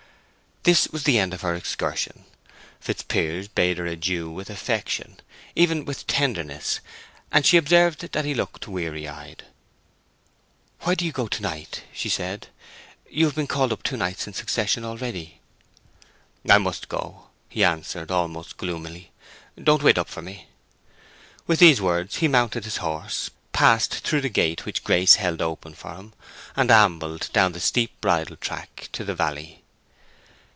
This was the end of her excursion. Fitzpiers bade her adieu with affection, even with tenderness, and she observed that he looked weary eyed. "Why do you go to night?" she said. "You have been called up two nights in succession already." "I must go," he answered, almost gloomily. "Don't wait up for me." With these words he mounted his horse, passed through the gate which Grace held open for him, and ambled down the steep bridle track to the valley.